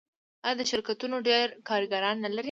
آیا دا شرکتونه ډیر کارګران نلري؟